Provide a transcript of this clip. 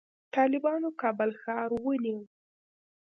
طالبانو کابل ښار ونیو